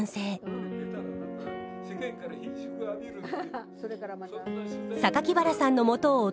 世間からひんしゅくを浴びるので。